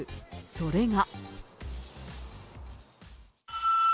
それが。